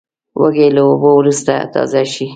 وزې له اوبو وروسته تازه شي